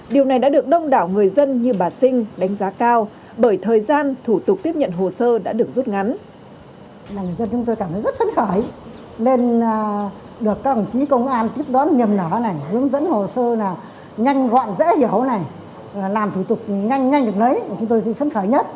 điều này đã được đông đảo người dân như bà sinh đánh giá cao bởi thời gian thủ tục tiếp nhận hồ sơ đã được rút ngắn